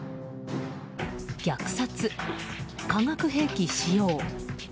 虐殺、化学兵器使用。